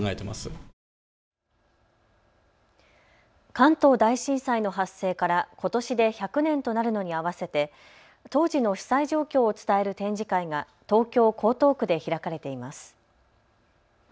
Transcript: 関東大震災の発生からことしで１００年となるのに合わせて当時の被災状況を伝える展示会が東京江東区で開かれています。